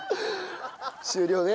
終了ね。